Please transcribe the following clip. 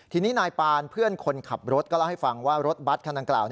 ทีนี้นายปานเพื่อนคนขับรถก็เล่าให้ฟังว่ารถบัตรคันดังกล่าว